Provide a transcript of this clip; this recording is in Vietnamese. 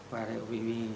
và vì hiện tại